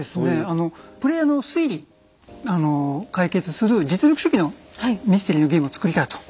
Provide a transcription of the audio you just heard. あのプレイヤーの推理あの解決する実力主義のミステリーのゲームを作りたいと。